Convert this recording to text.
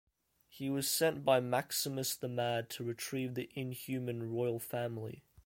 He was sent by Maximus the Mad to retrieve the Inhuman Royal Family.